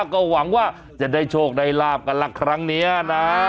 ก็หวังว่าจะได้โชคได้ลาบกันละครั้งนี้นะ